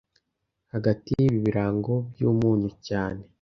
hagati yibi birango byumunyu cyane